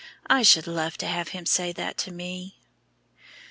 '_ I should love to have Him say that to me."